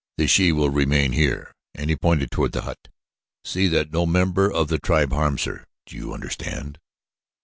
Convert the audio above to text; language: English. "The she will remain there," and he pointed toward the hut. "See that no member of the tribe harms her. Do you understand?"